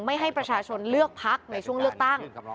ไม่ให้ประชาชนเลือกพักในช่วงเลือกตั้ง